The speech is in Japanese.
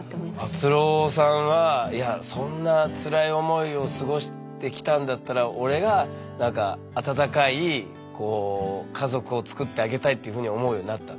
あつろーさんはいやそんな辛い思いを過ごしてきたんだったら俺が温かい家族をつくってあげたいっていうふうに思うようになったんだ。